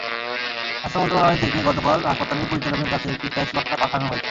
স্বাস্থ্য মন্ত্রণালয় থেকে গতকাল হাসপাতালের পরিচালকের কাছে একটি ফ্যাক্স বার্তা পাঠানো হয়েছে।